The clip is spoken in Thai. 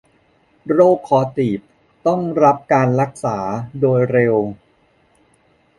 โรคคอตีบต้องรับการรักษาโดยเร็ว